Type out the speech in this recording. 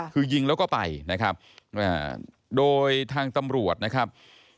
คือยิงแล้วก็ไปนะครับโดยทางตำรวจนะครับ